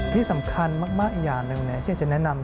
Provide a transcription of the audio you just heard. ที่สำคัญมากอีกอย่างหนึ่งที่อยากจะแนะนำ